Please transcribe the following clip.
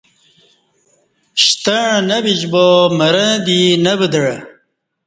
شتںݩع نہ بِشبا مرں دی نہ ودعہ